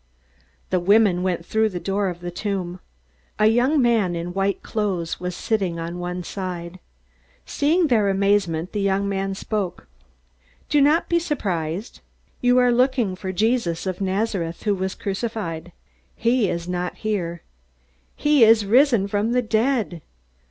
The women went through the door of the tomb. A young man in white clothes was sitting on one side. Seeing their amazement, the young man spoke: "Do not be surprised. You are looking for Jesus of Nazareth, who was crucified. He is not here. He is risen from the dead.